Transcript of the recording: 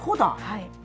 はい。